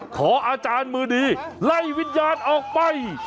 ขออาจารย์มือดีไล่วิญญาณออกไป